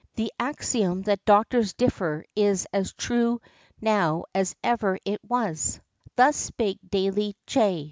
The axiom that doctors differ is as true now as ever it was . Thus spake Daly, J.